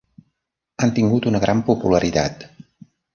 Han tingut una gran popularitat.